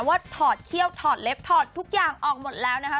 ถอดเขี้ยวถอดเล็บถอดทุกอย่างออกหมดแล้วนะคะ